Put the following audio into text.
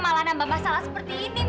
beslut beban dah turun